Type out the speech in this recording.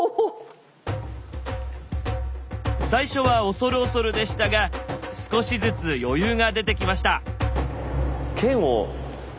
最初は恐る恐るでしたが少しずつ余裕が出てきました。